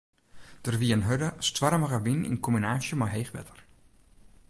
Der wie in hurde, stoarmige wyn yn kombinaasje mei heech wetter.